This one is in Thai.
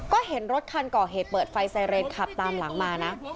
ก็เห็นรถคันก่อเหตุเปิดไฟไซเรนขับตามหลังมานะ